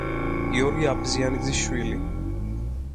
გიორგი აბზიანიძის შვილი.